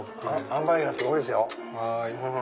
あんばいがすごいですよ。